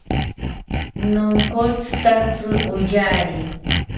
Nonkotzitatzi oyari